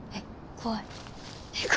怖い！